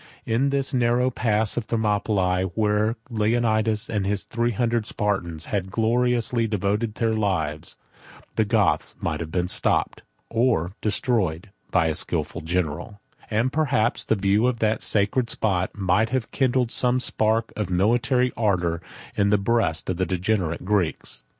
6 In this narrow pass of Thermopylae, where Leonidas and the three hundred Spartans had gloriously devoted their lives, the Goths might have been stopped, or destroyed, by a skilful general; and perhaps the view of that sacred spot might have kindled some sparks of military ardor in the breasts of the degenerate Greeks.